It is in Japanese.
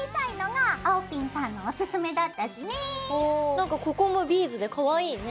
なんかここもビーズでかわいいね。